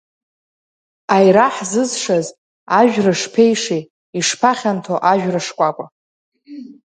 Аира ҳзызшаз, ажәра шԥеиԥшеи, ишԥахьанҭоу ажәра шкәакәа.